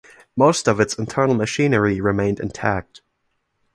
Most of its internal machinery remained intact.